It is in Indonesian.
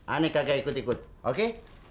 aneh kagak ikut ikut oke